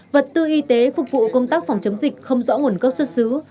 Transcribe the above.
vật tư y tế phục vụ công tác phòng chống dịch không rõ nguồn gốc xuất xứ